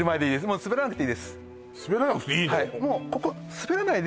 滑らなくていいの？